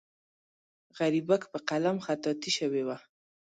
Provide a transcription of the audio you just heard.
غریبک په قلم خطاطي شوې وه.